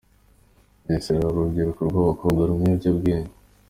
Bugesera Hari urubyiruko rw’abakobwa runywa ibiyobyabwenge